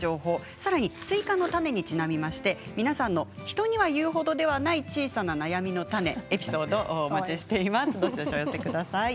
さらにスイカの種にちなみまして皆さんの人には言うほどではない小さな悩みの種のエピソードを募集します。